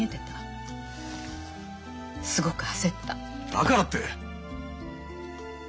だからって！